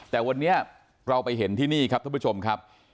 แต่วันนี้เราไปเห็นที่นี่ครับท่านผู้ชมครับ